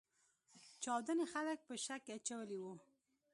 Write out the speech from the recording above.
چاودنې خلګ په شک کې اچولي وو.